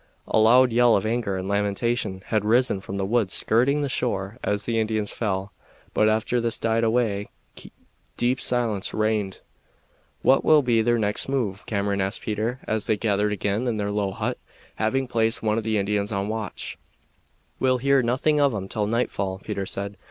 A loud yell of anger and lamentation had risen from the woods skirting the shore as the Indians fell, but after this died away deep silence reigned. "What will be their next move?" Cameron asked Peter, as they gathered again in their low hut, having placed one of the Indians on watch. "We'll hear nothing of 'em till nightfall," Peter said.